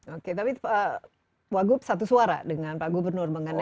oke tapi pak wagub satu suara dengan pak gubernur mengenai